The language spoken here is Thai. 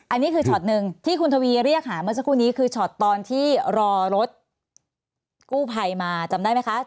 อันนี้คือช็อตหนึ่งที่คุณทวีเรียกหาเมื่อสักครู่นี้คือช็อตตอนที่รอรถกู้ภัยมาจำได้ไหมคะ